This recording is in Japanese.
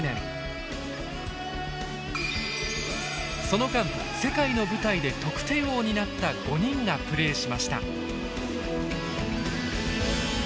その間世界の舞台で得点王になった５人がプレーしました。